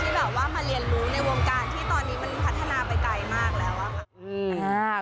ที่แบบว่ามาเรียนรู้ในวงการที่ตอนนี้มันพัฒนาไปไกลมากแล้วอะค่ะ